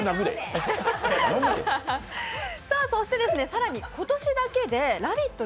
更に今年だけで「ラヴィット！」